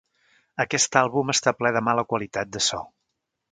Aquest àlbum està ple de mala qualitat de so.